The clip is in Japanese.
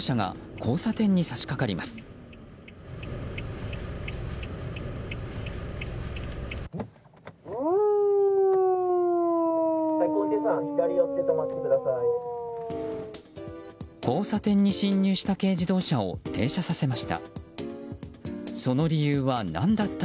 交差点に進入した軽自動車を停車させました。